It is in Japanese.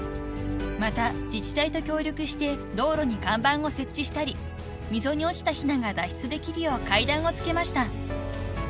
［また自治体と協力して道路に看板を設置したり溝に落ちたひなが脱出できるよう階段を付けました］